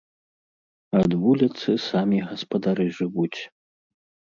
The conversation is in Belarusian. Ад вуліцы самі гаспадары жывуць.